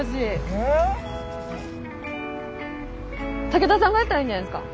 武田さんがやったらいいんじゃないですか。